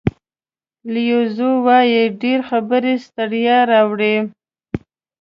لیو زو وایي ډېرې خبرې ستړیا راوړي.